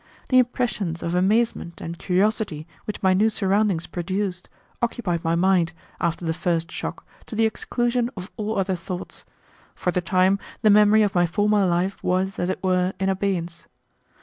The impressions of amazement and curiosity which my new surroundings produced occupied my mind, after the first shock, to the exclusion of all other thoughts. For the time the memory of my former life was, as it were, in abeyance.